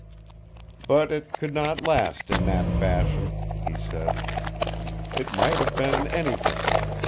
"But it could not last, in that fashion," he said. "It might have been anything.